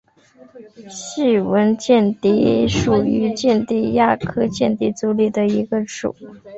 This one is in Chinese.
细纹蚬蝶属是蚬蝶亚科蚬蝶族里的一个属。